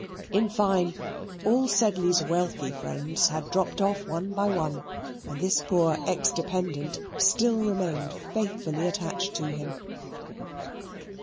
In fine, all Sedley's wealthy friends had dropped off one by one, and this poor ex dependent still remained faithfully attached to him.